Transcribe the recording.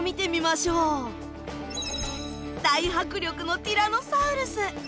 大迫力のティラノサウルス。